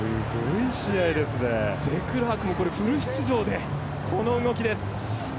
デクラーク、フル出場でこの動きです。